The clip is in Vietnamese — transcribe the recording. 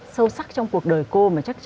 sâu sắc trong cuộc đời cô